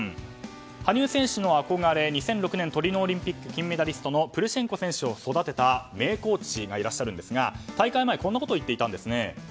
羽生選手の憧れ２００６年、トリノオリンピック金メダリストのプルシェンコ選手を育てた名コーチがいらっしゃるんですが大会前にこんなことを言っていたんです。